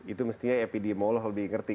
itu mestinya epidemiolog lebih ngerti